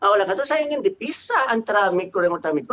oleh karena itu saya ingin dipisah antara mikro dengan utang mikro